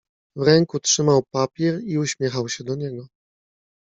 "W ręku trzymał papier i uśmiechał się do niego."